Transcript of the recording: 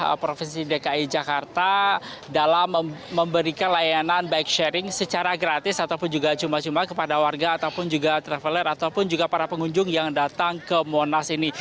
pemerintah provinsi dki jakarta dalam memberikan layanan bike sharing secara gratis ataupun juga cuma cuma kepada warga ataupun juga traveler ataupun juga para pengunjung yang datang ke monas ini